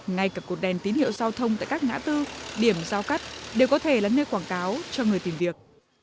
ngay cả cột đèn tín hiệu giao thông tại các ngã tư điểm giao cắt đều có thể là nơi quảng cáo cho người tìm việc